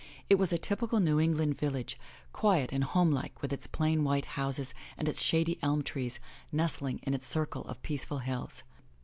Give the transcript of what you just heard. It was a typical New England village, quiet and homelike, with its plain, white houses and its shady elm trees, nestling in its circle of peaceful hills.